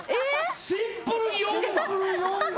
シンプル４万。